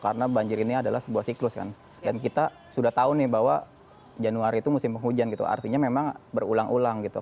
karena banjir ini adalah sebuah siklus kan dan kita sudah tahu nih bahwa januari itu musim hujan gitu artinya memang berulang ulang gitu